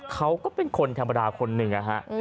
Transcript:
เขาก็เป็นคนธรรมดาคนนึง